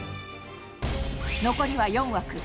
残りは４枠。